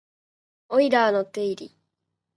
オイラーの定理